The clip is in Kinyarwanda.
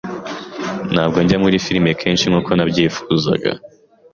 Ntabwo njya muri firime kenshi nkuko nabyifuzaga.